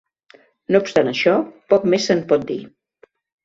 No obstant això, poc més se'n pot dir.